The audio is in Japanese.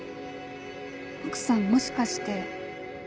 奥さんもしかして。